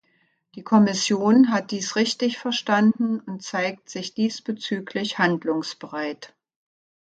Die Kommission hat dies richtig verstanden und zeigt sich diesbezüglich handlungsbereit.